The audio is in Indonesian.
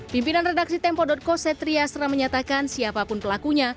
pimpinan redaksi tempo co setri asra menyatakan siapapun pelakunya